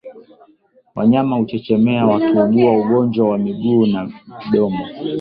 Wanyama huchechemea wakiugua ugonjwa wa miguu na midomo